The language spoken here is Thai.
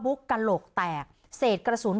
บุ๊คกระโหลกแตกเสร็จกระสุน